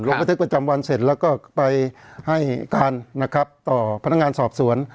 ประทึกประจำวันเสร็จแล้วก็ไปให้การนะครับต่อพนักงานสอบสวน